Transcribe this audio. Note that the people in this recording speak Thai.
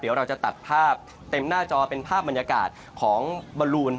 เดี๋ยวเราจะตัดภาพเต็มหน้าจอเป็นภาพบรรยากาศของบอลลูน